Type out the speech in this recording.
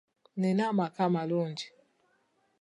Nnina amaka amalungi.